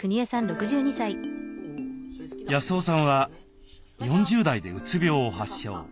康雄さんは４０代でうつ病を発症。